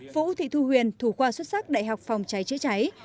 vũ thị thu huyền thủ khoa xuất sắc đại học phòng cháy chữa cháy